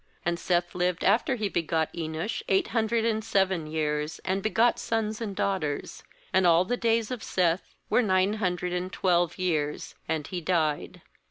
7And Seth lived after he begot Enosh eight hundred and seven years, and begot sons and daughters. 8And all the days of Seth were nine hundred and twelve years; and he died.